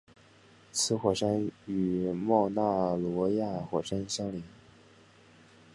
此火山与冒纳罗亚火山相邻。